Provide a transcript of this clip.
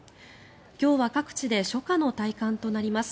今日は各地で初夏の体感となります。